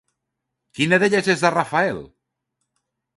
Quina d'elles és de Rafael?